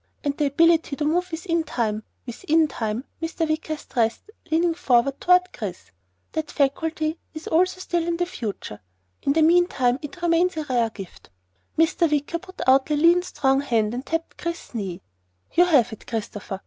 And the ability to move within Time within Time," Mr. Wicker stressed, leaning forward toward Chris, "that faculty is also still in the future. In the meantime it remains a rare gift." Mr. Wicker put out a lean strong hand and tapped Chris's knee. "You have it, Christopher.